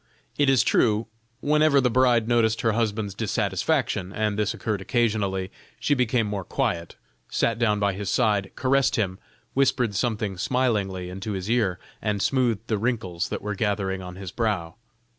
It is true, whenever the bride noticed her husband's dissatisfaction and this occurred occasionally she became more quiet, sat down by his side, caressed him, whispered something smilingly into his ear, and smoothed the wrinkles that were gathering on his brow.